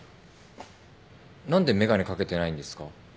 何で眼鏡掛けてないんですか？